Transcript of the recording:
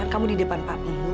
kamu tuh jaga umpangan dong